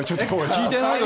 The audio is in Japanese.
聞いてないよ